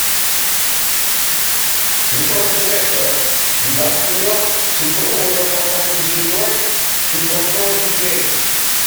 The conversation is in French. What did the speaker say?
Les forêts sèches du Bajío se trouvent dans la partie sud-ouest du plateau mexicain.